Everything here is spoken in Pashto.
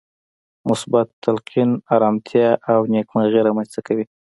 مثبت تلقين ارامتيا او نېکمرغي رامنځته کوي.